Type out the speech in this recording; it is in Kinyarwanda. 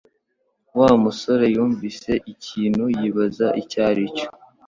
Wa musore yumvise ikintu yibaza icyo aricyo